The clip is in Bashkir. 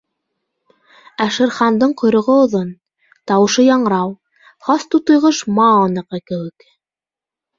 Ә Шер Хандың ҡойроғо оҙон, тауышы яңрау, хас тутыйғош Маоныҡы кеүек.